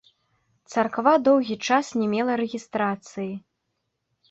Царква доўгі час не мела рэгістрацыі.